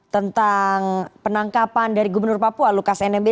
tentang penangkapan dari gubernur papua lukas nmb